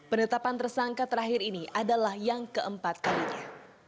penetapan tersangka terakhir ini adalah yang keempat kalinya